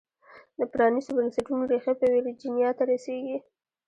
د پرانیستو بنسټونو ریښې په ویرجینیا ته رسېږي.